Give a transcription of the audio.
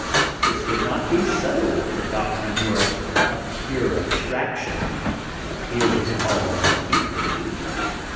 This would not be so if the doctrine were a pure abstraction appealing to all men equally.